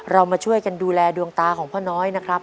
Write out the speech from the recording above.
มาช่วยกันดูแลดวงตาของพ่อน้อยนะครับ